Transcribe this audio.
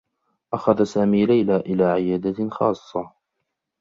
أخذ سامي ليلى إلى عيادة خاصّة.